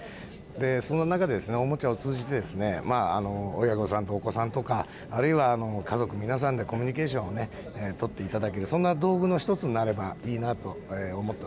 そんな中で、おもちゃを通じてですね、親御さんとお子さんとか、あるいは家族皆さんでコミュニケーションをね、取っていただける、そんな道具の一つになればいいな